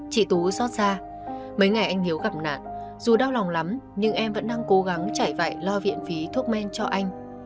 chị tú xót ra mấy ngày anh hiếu gặp nạn dù đau lòng lắm nhưng em vẫn đang cố gắng chảy vại lo viện phí thuốc men cho anh